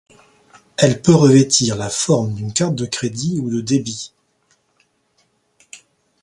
Elle peut revêtir la forme d'une carte de crédit ou de débit.